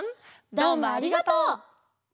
どうもありがとう！